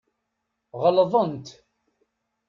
Ɣelḍent.